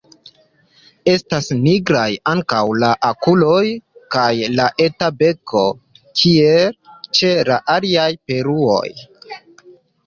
Estas nigraj ankaŭ la okuloj kaj la eta beko, kiel ĉe la aliaj paruoj.